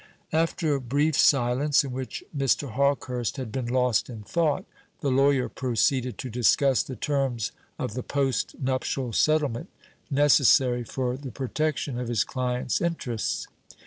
After a brief silence, in which Mr. Hawkehurst had been lost in thought, the lawyer proceeded to discuss the terms of the post nuptial settlement necessary for the protection of his client's interests.